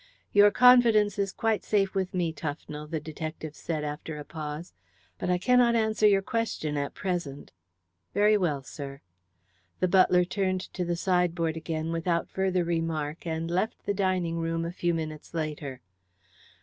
"Your confidence is quite safe with me, Tufnell," the detective added after a pause. "But I cannot answer your question at present." "Very well, sir." The butler turned to the sideboard again without further remark, and left the dining room a few minutes later.